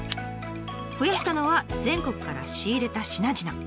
増やしたのは全国から仕入れた品々。